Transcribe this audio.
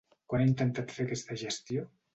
Quan ha intentat fer aquesta gestió?